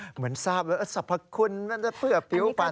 เหมือนทราบว่าสรรพคุณมันจะเผื่อปิ้วฟัน